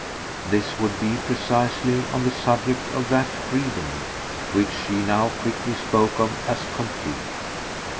This would be, precisely, on the subject of that freedom, which she now quickly spoke of as complete.